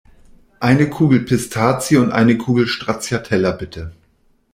Eine Kugel Pistazie und eine Kugel Stracciatella, bitte!